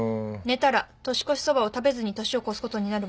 寝たら年越しそばを食べずに年を越すことになるわよ。